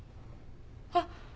あっ。